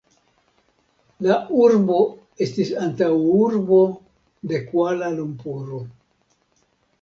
La urbo estis antaŭurbo de Kuala-Lumpuro.